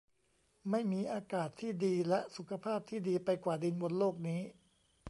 ไม่มีอากาศที่ดีและสุขภาพที่ดีไปกว่าดินบนโลกนี้